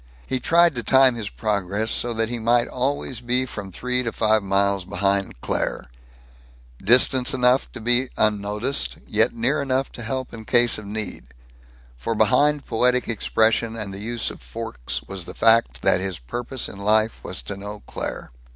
He tried so to time his progress that he might always be from three to five miles behind Claire distant enough to be unnoticed, near enough to help in case of need. For behind poetic expression and the use of forks was the fact that his purpose in life was to know Claire.